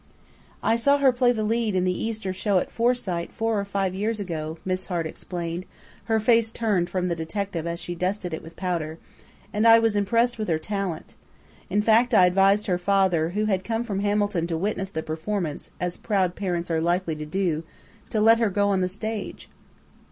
"I saw her play the lead in the Easter show at Forsyte four or five years ago," Miss Hart explained, her face turned from the detective as she dusted it with powder, "and I was impressed with her talent. In fact, I advised her father, who had come from Hamilton to witness the performance, as proud parents are likely to do, to let her go on the stage."